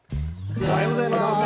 おはようございます。